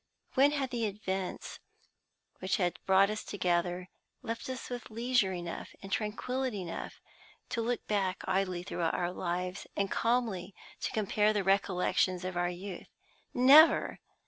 When had the events which had brought us together left us with leisure enough and tranquillity enough to look back idly through our lives, and calmly to compare the recollections of our youth? Never!